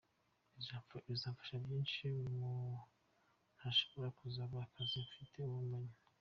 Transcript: Bizamfasha byinshi kuko ntashobora kuzabura akazi mfite ubu bumenyi.